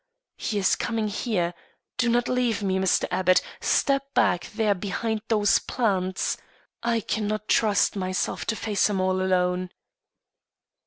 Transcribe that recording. "He is coming here. Do not leave me, Mr. Abbott; step back there behind those plants. I cannot trust myself to face him all alone."